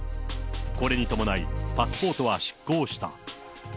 これに伴い、パスポートは失効した。